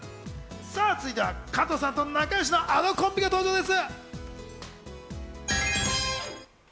続いては加藤さんと仲よしのあのコンビが登場です。